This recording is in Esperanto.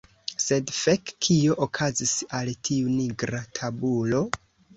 Sed, fek, kio okazis al tiu nigra tabulo?